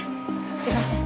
すいません